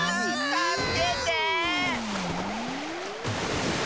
たすけてえ！